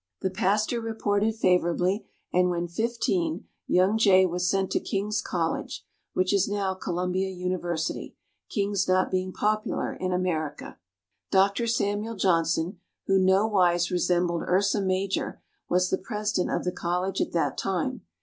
The pastor reported favorably, and when fifteen, young Jay was sent to King's College, which is now Columbia University, kings not being popular in America. Doctor Samuel Johnson, who nowise resembled Ursa Major, was the president of the College at that time.